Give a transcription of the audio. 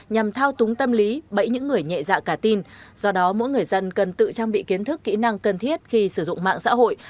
nhằm thao túng tâm lý bẫy những người nhẹ dạ cả tin do đó mỗi người dân cần tự trang bị kiến thức kỹ năng cần thiết khi sử dụng mạng xã hội